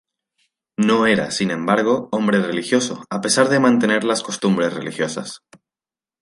No era, sin embargo, hombre religioso, a pesar de mantener las costumbres religiosas.